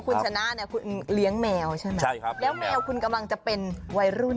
คุณชนะเนี่ยคุณเลี้ยงแมวใช่ไหมใช่ครับแล้วแมวคุณกำลังจะเป็นวัยรุ่น